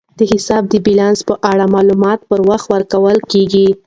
د حساب د بیلانس په اړه معلومات په وخت ورکول کیږي.